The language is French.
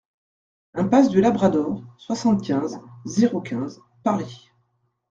Impasse du Labrador, soixante-quinze, zéro quinze Paris